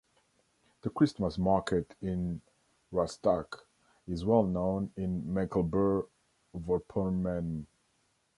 The Christmas market in Rostock is well known in Mecklenburg-Vorpommern.